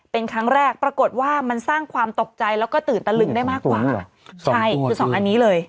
เป็นครั้งแรกปรากฏว่ามันสร้างความตกใจแล้วก็ตื่นตะลึงได้มากกว่า